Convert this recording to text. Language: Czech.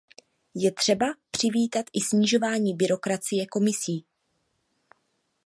Je třeba přivítat i snižování byrokracie Komisí.